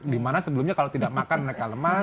dimana sebelumnya kalau tidak makan mereka lemas